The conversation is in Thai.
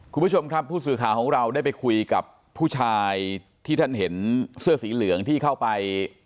คุณผู้ชมครับผู้สื่อข่าวของเราได้ไปคุยกับผู้ชายที่ท่านเห็นเสื้อสีเหลืองที่เข้าไป